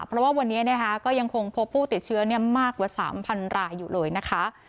เพราะว่าวันนี้ก็ยังคงพบผู้ติดเชื้อมากกว่า๓๐๐รายอยู่เลยนะคะ